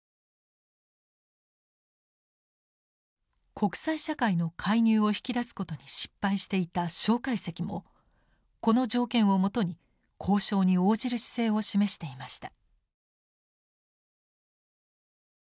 国際社会の介入を引き出すことに失敗していた介石もこの条件をもとに交渉に応じる姿勢を示していました。